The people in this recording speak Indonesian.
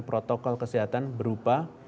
protokol kesehatan berupa